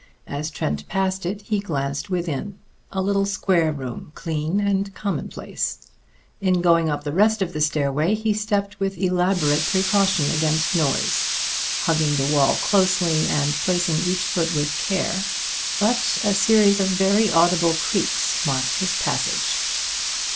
As Trent passed it, he glanced within. A little square room, clean and commonplace. In going up the rest of the stairway he stepped with elaborate precaution against noise, hugging the wall closely and placing each foot with care; but a series of very audible creaks marked his passage.